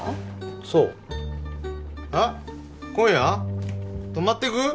そうあッ今夜泊まってく？